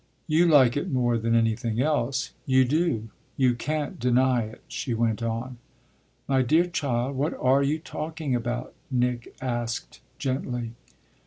"You like it more than anything else. You do you can't deny it," she went on. "My dear child, what are you talking about?" Nick asked, gently...